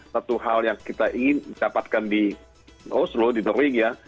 satu hal yang kita ingin dapatkan di oslo di norwegia